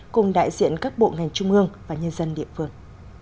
cùng đại diện các bộ ngành trung ương và nhân dân địa phương